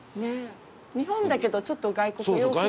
日本だけどちょっと外国洋風なね。